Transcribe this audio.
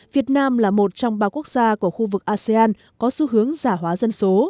việt nam là một trong ba quốc gia của khu vực asean có xu hướng giả hóa dân số